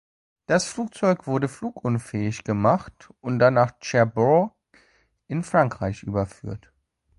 Die Flugzeuge wurden flugfähig gemacht und nach Cherbourg in Frankreich überführt.